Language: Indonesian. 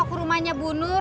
saya mau ke rumahnya bu nur